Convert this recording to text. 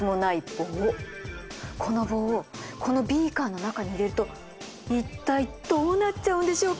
この棒をこのビーカーの中に入れると一体どうなっちゃうんでしょうか？